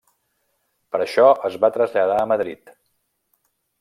Per això es va traslladar a Madrid.